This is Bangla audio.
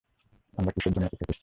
আমরা কিসের জন্য অপেক্ষা করছি?